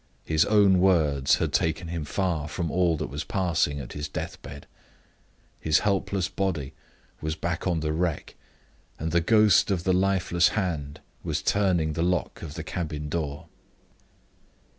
His own words had taken him far from all that was passing at his deathbed. His helpless body was back on the wreck, and the ghost of his lifeless hand was turning the lock of the cabin door.